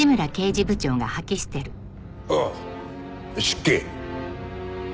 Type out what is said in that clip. ああ失敬。